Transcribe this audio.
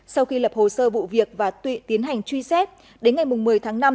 sau khi lập hồ sơ vụ việc và tụy tiến hành truy xét đến ngày một mươi tháng năm